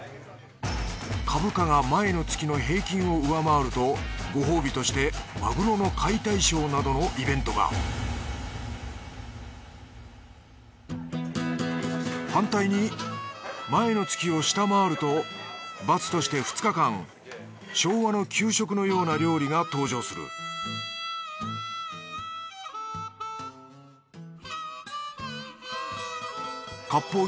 株価が前の月の平均を上回るとご褒美としてマグロの解体ショーなどのイベントが反対に前の月を下回るとバツとして２日間昭和の給食のような料理が登場するかっぽう